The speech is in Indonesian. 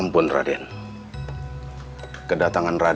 sepertinya dia melaksanakan aliran